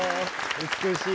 美しい。